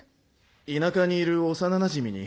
田舎にいる幼なじみに。